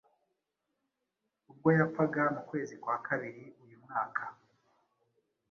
Ubwo yapfaga mu kwezi kwa kabiri uyu mwaka,